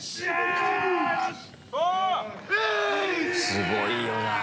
すごいよなぁ